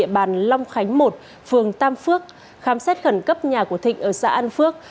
bàn long khánh một phường tam phước khám xét khẩn cấp nhà của thịnh ở xã an phước